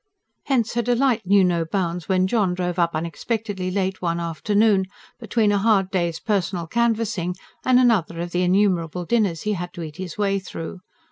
Hence her delight knew no bounds when John drove up unexpectedly late one afternoon, between a hard day's personal canvassing and another of the innumerable dinners he had to eat his way through.